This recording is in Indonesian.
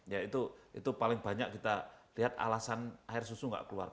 ya itu paling banyak kita lihat alasan air susu nggak keluar